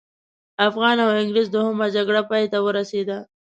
افغان او انګلیس دوهمه جګړه پای ته ورسېده.